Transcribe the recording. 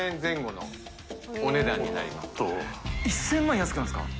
１０００万安くなるんですか？